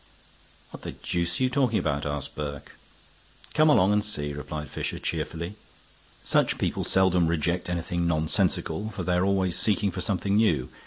"What the deuce are you talking about?" asked Burke. "You come along and see," replied Fisher, cheerfully. Such people seldom reject anything nonsensical, for they are always seeking for something new.